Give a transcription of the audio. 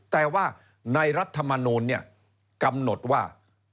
แต่ว่าในรัฐมนูลกำหนดว่า